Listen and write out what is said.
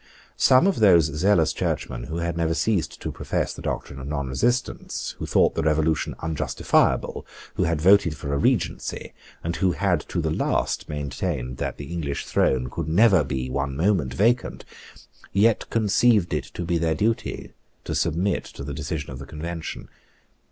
Some of those zealous churchmen who had never ceased to profess the doctrine of nonresistance, who thought the Revolution unjustifiable, who had voted for a Regency, and who had to the last maintained that the English throne could never be one moment vacant, yet conceived it to be their duty to submit to the decision of the Convention.